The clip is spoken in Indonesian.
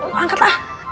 lo angkat lah